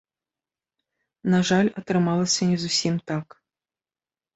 На жаль, атрымалася не зусім так.